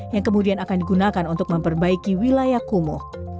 yang kemudian akan digunakan untuk memperbaiki wilayah kumuh